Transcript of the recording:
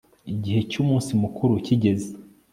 igihe cy'umunsi mukuru kigeze